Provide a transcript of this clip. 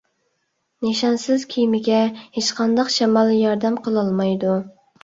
نىشانسىز كېمىگە ھېچقانداق شامال ياردەم قىلالمايدۇ.